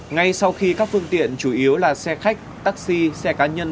ngay sau khi các phương tiện chủ yếu là xe khách taxi xe cá nhân